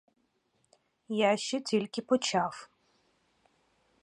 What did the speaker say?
Я ще тільки почав.